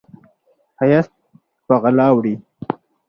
ښایست په غلا وړي